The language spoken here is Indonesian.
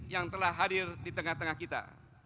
yang telah hadir di tengah tengah kita